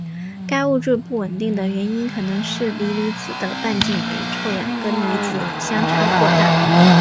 该物质不稳定的原因可能是锂离子的半径与臭氧根离子相差过大。